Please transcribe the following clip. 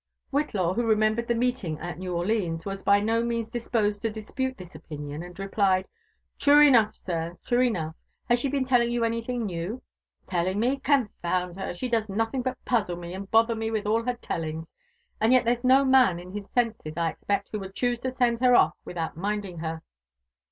Whillaw, who remembered the meeting at New Orleans, was by no means disposed to dispute this opinion, and replied, True enough, sir, true enough. Has she been telling you anything new?" '*TeHingme? Confound her! she does nothing but puzile and bother me with all her tellings : and yet there's no man in his senses, I expect, who would choose to send her off without minding her."